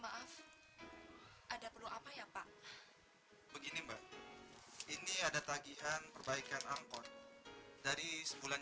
maaf ada perlu apa ya pak begini mbak ini ada tagihan perbaikan angkot dari sebulan